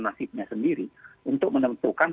nasibnya sendiri untuk menentukan